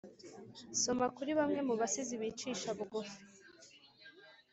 soma kuri bamwe mubasizi bicisha bugufi,